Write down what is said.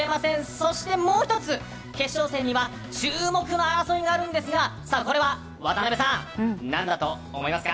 そしてもう１つ、決勝戦には注目の争いがあるんですがこれは、渡辺さん何だと思いますか？